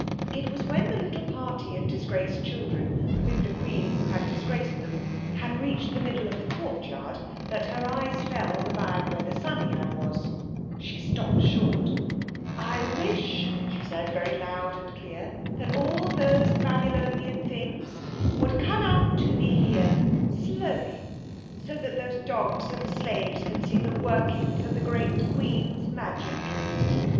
It was when the little party of disgraced children, with the Queen who had disgraced them, had reached the middle of the courtyard that her eyes fell on the bag where the Psammead was. She stopped short. "I wish," she said, very loud and clear, "that all those Babylonian things would come out to me here—slowly, so that those dogs and slaves can see the working of the great Queen's magic."